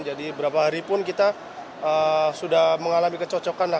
jadi beberapa hari pun kita sudah mengalami kecocokan lah